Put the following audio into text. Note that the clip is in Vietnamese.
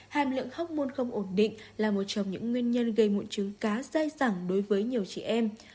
hàm lượng hốc môn không ổn định là một trong những nguyên nhân gây mụn trứng cá sai sẵn đối với nhiều chị em